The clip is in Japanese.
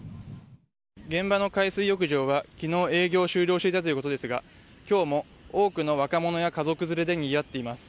現場の海水浴場は昨日営業を終了したということですが今日も多くの若者や家族連れでにぎわっています。